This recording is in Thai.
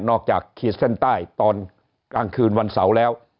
ขีดเส้นใต้ตอนกลางคืนวันเสาร์แล้ว